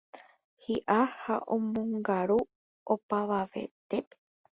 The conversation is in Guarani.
hi'a ha omongaru opavavetépe